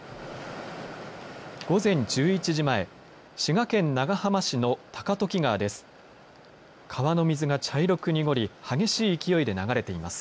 午前１１時前、滋賀県長浜市の高時川です。